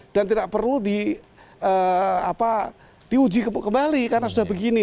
dan tidak perlu diuji kembali karena sudah begini